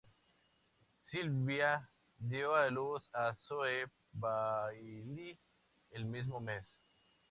Silvia dio a luz a Zoe Bayly el mismo mes.